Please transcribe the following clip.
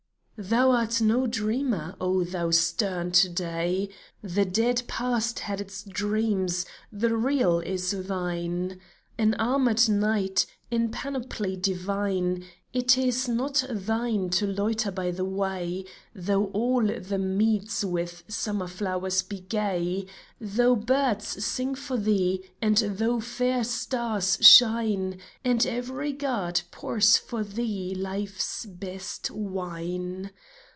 Thou art no dreamer, O thou stern To day ! The dead past had its dreams ; the real is thine. An armored knight, in panoply divine. It is not thine to loiter by the way, Though all the meads with summer flowers be gay, Though birds sing for thee, and though fair stars shine, And every god pours for thee life's best wine